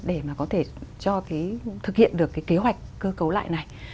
để mà có thể cho cái thực hiện được cái kế hoạch cơ cấu lại này